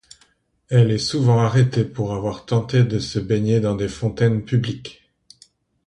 Elle est souvent arrêtée pour avoir tenté de se baigner dans des fontaines publiques.